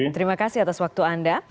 terima kasih atas waktu anda